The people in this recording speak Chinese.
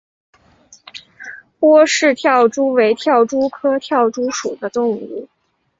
波氏跳蛛为跳蛛科跳蛛属的动物。